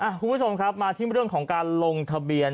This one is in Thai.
คุณผู้ชมครับมาที่เรื่องของการลงทะเบียน